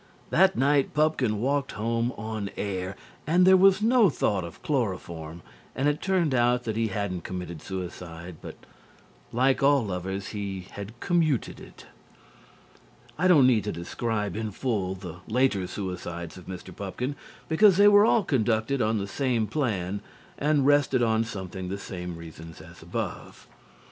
That night Pupkin walked home on air and there was no thought of chloroform, and it turned out that he hadn't committed suicide, but like all lovers he had commuted it. I don't need to describe in full the later suicides of Mr. Pupkin, because they were all conducted on the same plan and rested on something the same reasons as above.